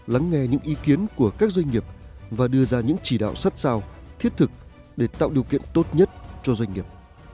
lắng nghe những ý kiến của các doanh nghiệp và đưa ra những chỉ đạo sắt sao thiết thực để tạo điều kiện tốt nhất cho doanh nghiệp